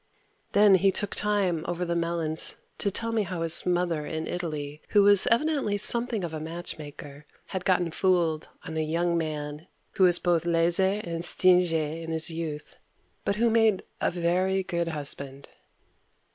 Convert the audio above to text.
Then he took time over the melons to tell me how his mother in Italy, who was evidently something of a match maker, had gotten fooled on a young man who was both "laze" and "steenge" in his youth but who made a very good husband.